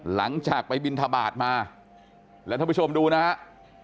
หลังจากไปบิณฑบาทมาและท่านผู้ชมดูนะครับ